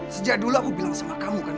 sejak dulu aku bilang sama kamu kan